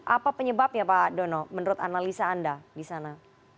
apa penyebabnya pak dono menurut analisa anda di sana